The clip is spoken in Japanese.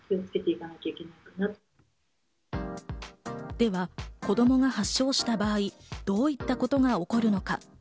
では子供が発症した場合、どういったことが起こるのか。